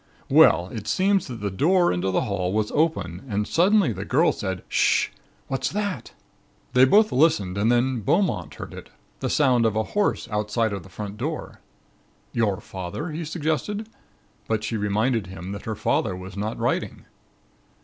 "Well, it seems that the door into the hall was open and suddenly the girl said: 'H'sh! what's that?' "They both listened and then Beaumont heard it the sound of a horse outside of the front door. "'Your father?' he suggested, but she reminded him that her father was not riding.